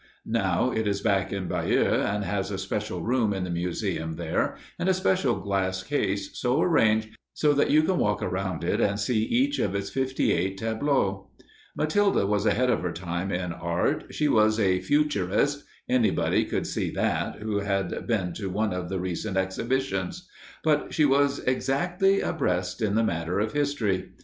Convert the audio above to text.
Now it is back in Bayeux, and has a special room in the museum there and a special glass case so arranged that you can walk around it and see each of its fifty eight tableaux. Matilda was ahead of her time in art. She was a futurist anybody could see that who had been to one of the recent exhibitions. But she was exactly abreast in the matter of history.